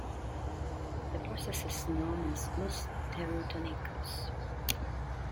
The process is known as mos Teutonicus.